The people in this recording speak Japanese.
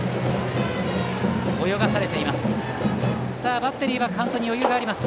泳がされています。